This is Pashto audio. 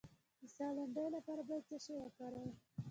د ساه لنډۍ لپاره باید څه شی وکاروم؟